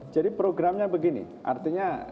jadi programnya begini artinya